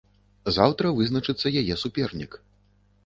Заўтра вызначыцца яе супернік.